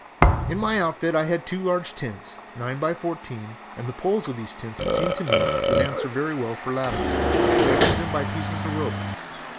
"In my outfit I had two large tents, nine by fourteen, and the poles of these tents, it seemed to me, would answer very well for ladders if I connected them by pieces of rope.